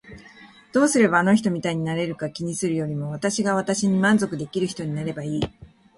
どうすればあの人みたいになれるか気にするよりも私が私に満足できる人になればいい。